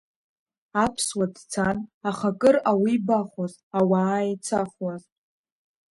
Аԥсуа дцан, аха акыр ауибахуаз ауааицахуаз.